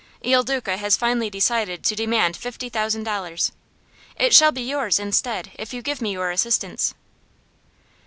Il Duca has finally decided to demand fifty thousand dollars. It shall be yours, instead, if you give me your assistance."